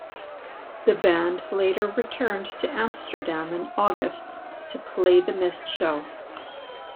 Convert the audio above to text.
The band later returned to Amsterdam in August to play the missed show.